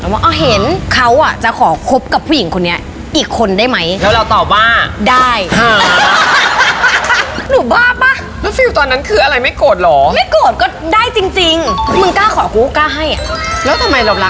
จนวันหนึ่งเขาคงเห็นว่าเมื่อไหร่มึงจะโวยวายวะ